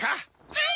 はい！